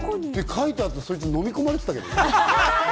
書いたあとそいつ飲み込まれてたけどね。